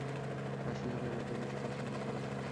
ফাঁসি হলে লোকে বেশি পছন্দ করবে।